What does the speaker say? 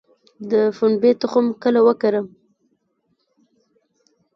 د پنبې تخم کله وکرم؟